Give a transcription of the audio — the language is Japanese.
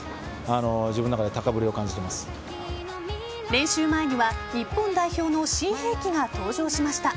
練習前には日本代表の新兵器が登場しました。